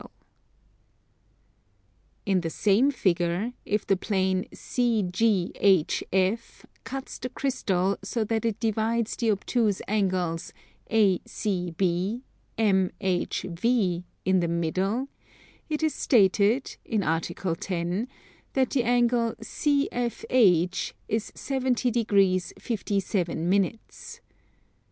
In the same figure, if the plane CGHF cuts the crystal so that it divides the obtuse angles ACB, MHV, in the middle, it is stated, in Article 10, that the angle CFH is 70 degrees 57 minutes.